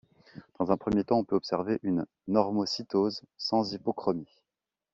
Dans un premier temps, on peut observer une normocytose sans hypochromie.